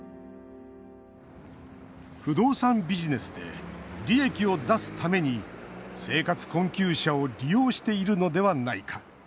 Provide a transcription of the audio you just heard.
不動産ビジネスで利益を出すために生活困窮者を利用しているのではないか。